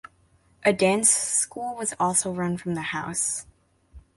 A dance school was also run from the house.